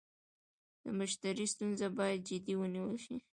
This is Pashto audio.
د مشتري ستونزه باید جدي ونیول شي.